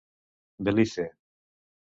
Belize.